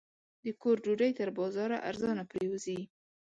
د کور ډوډۍ تر بازاره ارزانه پرېوځي.